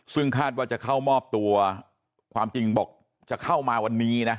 ซึ่งคาดว่าจะเข้ามอบตัวความจริงบอกจะเข้ามาวันนี้นะ